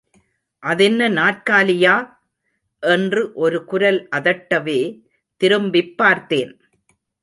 அதென்ன நாற்காலியா? என்று ஒரு குரல் அதட்டவே, திரும்பிப் பார்த்தேன்.